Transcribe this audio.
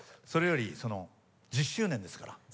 それより１０周年ですから。